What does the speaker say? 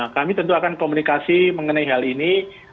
kami tentu akan komunikasi mengenai hal ini